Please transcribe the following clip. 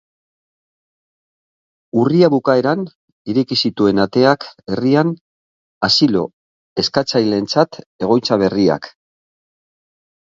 Urria bukaeran ireki zituen ateak herrian, asilo-eskatzaileentzat egoitza berriak.